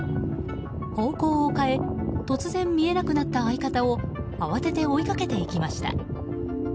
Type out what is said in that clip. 方向を変え突然見えなくなった相方を慌てて追いかけていきました。